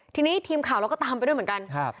ทีนี้ทีมข่าวเราก็ตามไปด้วยเหมือนกัน